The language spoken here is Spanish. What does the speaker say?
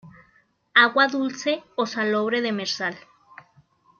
Agua dulce o salobre demersal.